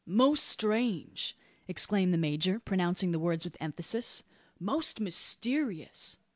"Most strange!" exclaimed the major, pronouncing the words with emphasis "most mysterious!"